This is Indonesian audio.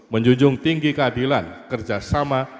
menjunjung tinggi keadilan kerjasama